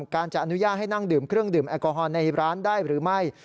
การจะอนุญาตให้นั่งดื่มเครื่องดื่มแอลกอฮอลในร้านได้หรือไม่